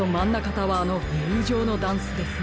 タワーのゆうじょうのダンスですね。